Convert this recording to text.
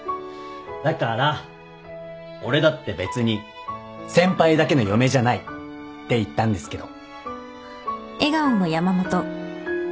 だから俺だって別に先輩だけの嫁じゃないって言ったんですけど。